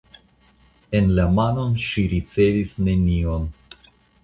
En la manon ŝi ricevis nenion.